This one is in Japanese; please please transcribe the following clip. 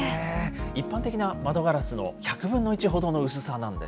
一般的な窓ガラスの１００分の１ほどの薄さなんです。